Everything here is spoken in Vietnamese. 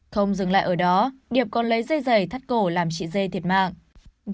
không dừng lại ở đó điệp còn lấy dây dày thắt cổ làm chị dê thiệt mạng